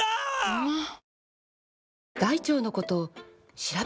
うまっ！！